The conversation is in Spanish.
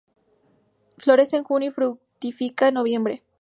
Florece en junio, y fructifica en noviembre.